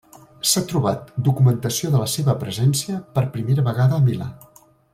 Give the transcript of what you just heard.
S'ha trobat documentació de la seva presència per primera vegada a Milà.